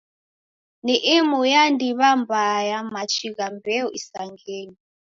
Ni imu ya ndiw'a mbaa ya machi gha mbeo isangenyi.